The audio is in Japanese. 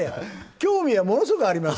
興味はものすごくあります。